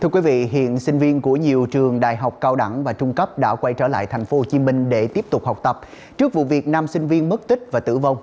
thưa quý vị hiện sinh viên của nhiều trường đại học cao đẳng và trung cấp đã quay trở lại thành phố hồ chí minh để tiếp tục học tập trước vụ việc năm sinh viên mất tích và tử vong